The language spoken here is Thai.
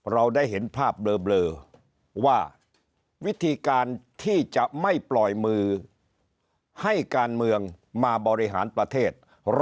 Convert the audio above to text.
เราได้เห็นภาพเบลอว่าวิธีการที่จะไม่ปล่อยมือให้การเมืองมาบริหารประเทศ